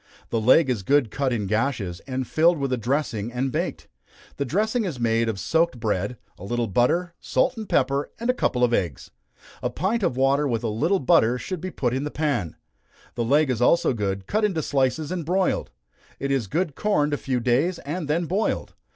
The leg is good cut in gashes, and filled with a dressing, and baked. The dressing is made of soaked bread, a little butter, salt, and pepper, and a couple of eggs. A pint of water with a little butter should be put in the pan. The leg is also good, cut into slices and broiled. It is good corned a few days, and then boiled.